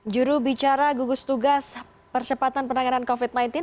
jurubicara gugus tugas persepatan penanganan covid sembilan belas ammar jokowi